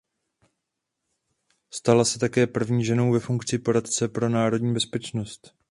Stala se také první ženou ve funkci poradce pro národní bezpečnost.